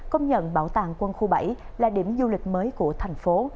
công nhận bảo tàng quân khu bảy là điểm du lịch mới của thành phố